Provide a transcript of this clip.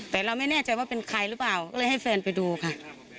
แต่เราไม่แน่ใจว่าเป็นใครหรือเปล่าก็เลยให้แฟนไปดูค่ะ